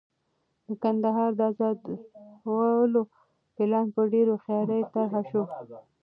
د کندهار د ازادولو پلان په ډېره هوښیارۍ طرح شو.